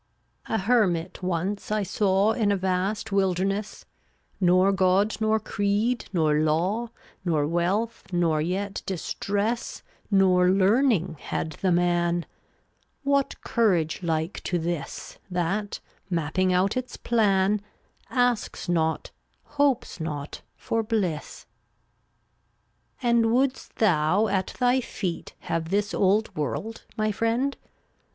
353 A hermit once I saw d^ttt/lt* In a vast wilderness; Nor god, nor creed, nor law, \£*l' Nor wealth, nor yet distress, ffUttd" Nor learning had the man. J What courage like to this, That, mapping out its plan, Asks not, hopes not, for bliss? 354 And wouldst thou at thy feet Have this old world, my friend?